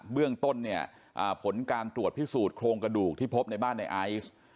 เรื่องต้นเนี่ยผลการตรวจพิสูจนโครงกระดูกที่พบในบ้านในไอซ์